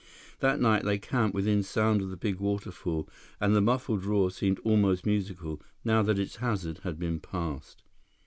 That night, they camped within sound of the big waterfall, and the muffled roar seemed almost musical, now that its hazard had been passed.